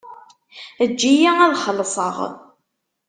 Eǧǧ-iyi ad xelṣeɣ.